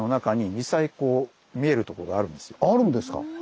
あるんですか！